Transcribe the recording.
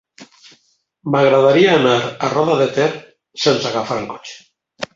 M'agradaria anar a Roda de Ter sense agafar el cotxe.